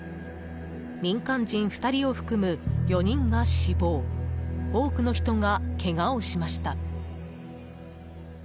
民間人２人を含む４人が死亡多くの人が、けがをしました。